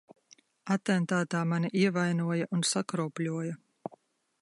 Atentātā mani ievainoja un sakropļoja.